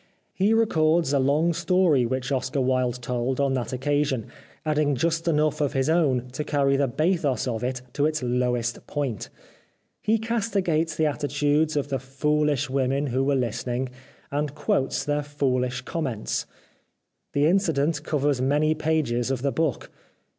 He records a long story which Oscar Wilde told on that oc casion, adding just enough of his own to carry the bathos of it to its lowest point ; he casti gates the attitudes of the foolish women who were listening, and quotes their foolish comiments. The incident covers many pages of the book.